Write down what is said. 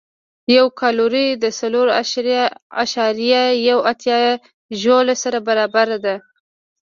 یوه کالوري د څلور اعشاریه یو اتیا ژول سره برابره ده.